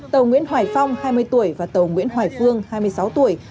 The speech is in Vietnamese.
tàu nguyễn hoài phong hai mươi tuổi và tàu nguyễn hoài phương hai mươi sáu tuổi